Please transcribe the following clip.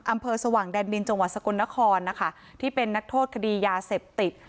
อำเภอสว่างแดนดินจังหวัดสกลนครนะคะที่เป็นนักโทษคดียาเสพติด